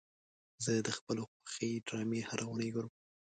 زه د خپلو خوښې ډرامې هره اونۍ ګورم.